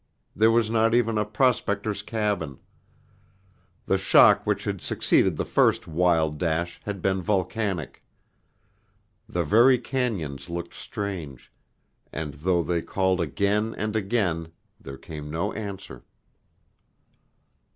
There was not even a prospector's cabin. The shock which had succeeded the first wild dash had been volcanic. The very cañons looked strange, and though they called again and again there came no answer.